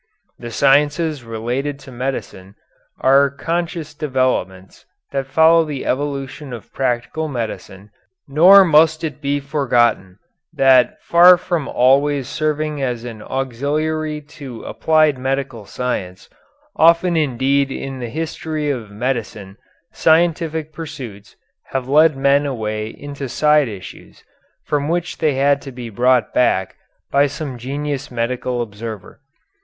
The sciences related to medicine are conscious developments that follow the evolution of practical medicine, nor must it be forgotten that far from always serving as an auxiliary to applied medical science, often indeed in the history of medicine scientific pursuits have led men away into side issues from which they had to be brought back by some genius medical observer.